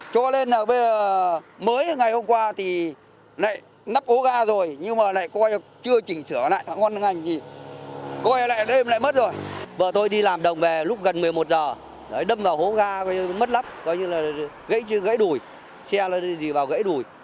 cho nên là bây giờ mới ngày hôm qua thì nãy nắp hố ga